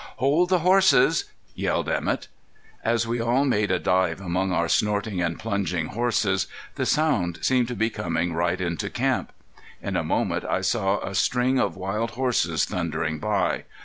"Hold the horses!" yelled Emett. As we all made a dive among our snorting and plunging horses the sound seemed to be coming right into camp. In a moment I saw a string of wild horses thundering by.